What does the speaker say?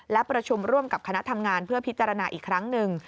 และประชุมร่วมกับคณะทำงานเพื่อพิจารณาอีกครั้งหนึ่ง